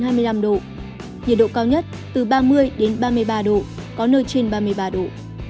nhiệt độ cao nhất từ ba mươi ba mươi ba độ có nơi trên ba mươi ba độ